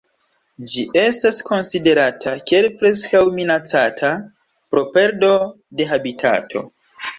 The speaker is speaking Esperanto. Ĝi estas konsiderata kiel Preskaŭ Minacata pro perdo de habitato.